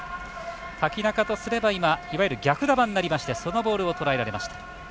瀧中とすればいわゆる逆球になりましてそのボールをとらえられました。